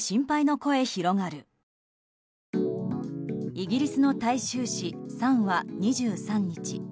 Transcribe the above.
イギリスの大衆紙サンは２３日